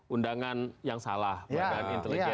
undangan yang salah ya dan intelijen